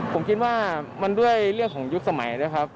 ผมคิดว่ามันด้วยเรื่องของยุคสมัยนะครับ